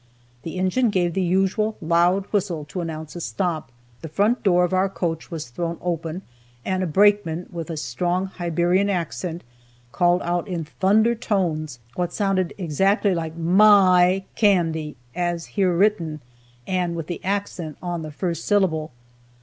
The engine gave the usual loud whistle to announce a stop, the front door of our coach was thrown open, and a brakeman with a strong Hibernian accent called out in thunder tones what sounded exactly like "My candy!" as here written, and with the accent on the first syllable.